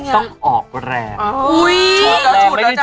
ต้องออกแรง